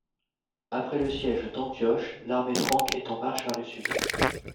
Après le siège d'Antioche, l'armée franque est en marche vers le sud.